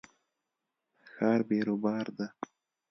ښار بیروبار ده